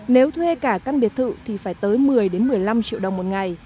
nếu thuê cả các biệt thự thì phải tới một mươi triệu đồng